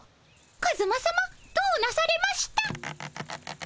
カズマさまどうなされました？